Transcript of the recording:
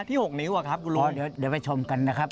อ่าที่๖นิ้วหรือครับคุณลุงเดี๋ยวไปชมกันนะครับ